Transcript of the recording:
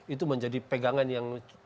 itu menjadi pegangan yang